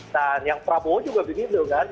nah yang prabowo juga begitu kan